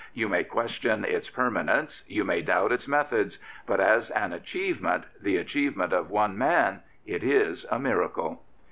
You may question its permanence, you may doubt its methods; but as an achievement, the achievement of one man, it is a miracle.